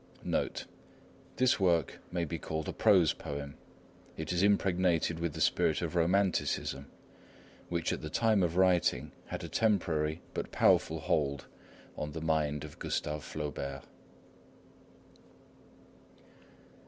[This work may be called a prose poem. It is impregnated with the spirit of romanticism, which at the time of writing had a temporary but powerful hold on the mind of Gustave Flaubert.